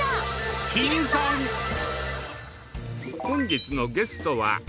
本日のゲストは？